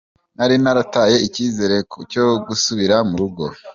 Nari narataye icyizere cyo gusubira mu rugo".